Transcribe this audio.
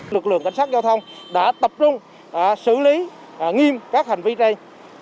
lực lượng cảnh sát giao thông đã tập trung xử lý nghiêm các hành vi đây